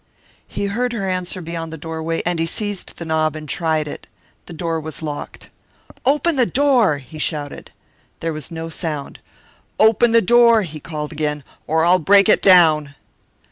He heard her answer beyond the doorway, and he seized the knob and tried it. The door was locked. "Open the door!" he shouted. There was no sound. "Open the door!" he called again, "or I'll break it down."